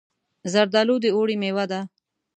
زردالو د اوړي مېوه ده.